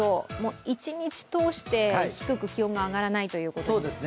一日通して低く気温が上がらないということですね。